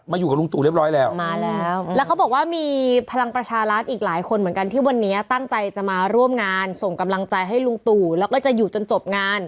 อยู่กับลุงตู่เรียบร้อยแล้วมาแล้วแล้วเขาบอกว่ามีพลังประชารัฐอีกหลายคนเหมือนกันที่วันนี้ตั้งใจจะมาร่วมงานส่งกำลังใจให้ลุงตู่แล้วก็จะอยู่จนจบงาน